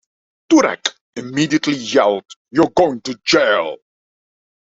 Turek immediately yelled you're going to jail.